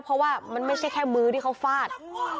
เพราะว่ามันไม่ใช่แค่มือที่เขาฟาด